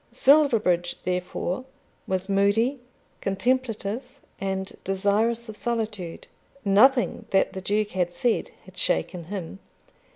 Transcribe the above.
Silverbridge, therefore, was moody, contemplative, and desirous of solitude. Nothing that the Duke had said had shaken him.